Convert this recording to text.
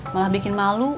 malah bikin malu